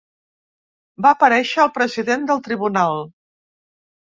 Va aparèixer el president del tribunal.